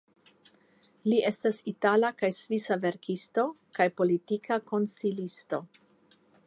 Li estas itala kaj svisa verkisto kaj politika konsilisto.